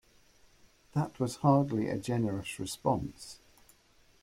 That was hardly a generous response.